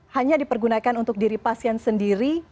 hanya dipergunakan untuk diri pasien sendiri